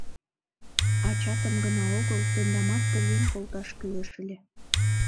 Ачатым гына огыл, тендамат поген колташ кӱлеш ыле.